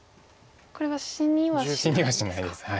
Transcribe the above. これは死にはしないですか。